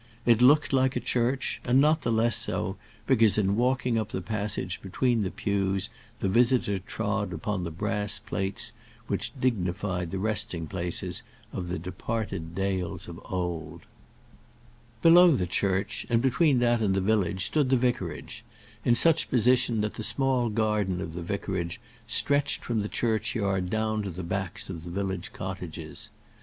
It looked like a church, and not the less so because in walking up the passage between the pews the visitor trod upon the brass plates which dignified the resting places of the departed Dales of old. Below the church, and between that and the village, stood the vicarage, in such position that the small garden of the vicarage stretched from the churchyard down to the backs of the village cottages.